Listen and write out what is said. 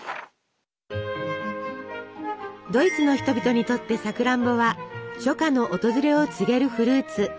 ドイツの人々にとってさくらんぼは初夏の訪れを告げるフルーツ。